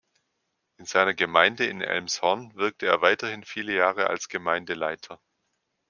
In seiner Gemeinde in Elmshorn wirkte er weiterhin viele Jahre als Gemeindeleiter.